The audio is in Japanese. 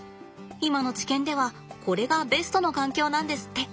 今の知見ではこれがベストの環境なんですって。